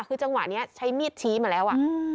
คือจังหวะนี้ใช้มีดชี้มาแล้ว